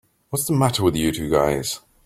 What's the matter with you two guys?